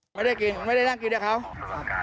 ไม่ได้กินไม่ได้นั่งกินกับเขาครับ